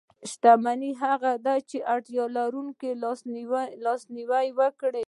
شتمن هغه دی چې د اړتیا لرونکو لاسنیوی کوي.